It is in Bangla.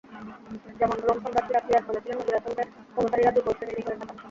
যেমনঃ রোম সম্রাট হিরাক্লিয়াস বলেছিলেন, নবী-রাসূলদের অনুসারীরা দুর্বল শ্রেণীরই হয়ে থাকেন।